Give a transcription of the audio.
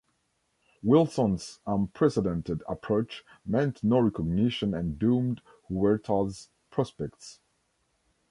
Wilson's unprecedented approach meant no recognition and doomed Huerta's prospects.